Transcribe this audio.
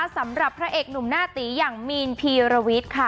สำหรับพระเอกหนุ่มหน้าตีอย่างมีนพีรวิทย์ค่ะ